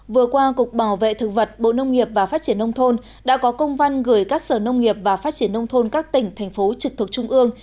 vừa qua cục bảo vệ thực vật bộ nông nghiệp và phát triển nông thôn đã có công văn gửi các sở nông nghiệp và phát triển nông thôn các tỉnh thành phố trực thuộc trung ương